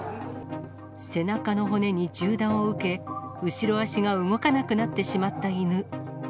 背中の骨に銃弾を受け、後ろ脚が動かなくなってしまった犬。